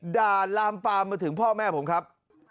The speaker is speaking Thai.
ลามปามมาถึงพ่อแม่ผมครับ